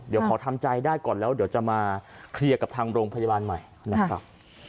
เดี๋ยวขอทำใจได้ก่อนแล้วเดี๋ยวจะมาเคลียร์กับทางโรงพยาบาลใหม่นะครับ